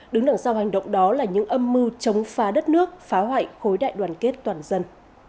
đứng đằng sau hành động đó là những âm mưu chống phá đất nước phá hoại khối đại đoàn kết toàn dân